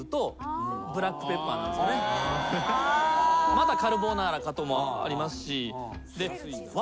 またカルボナーラかもありますし。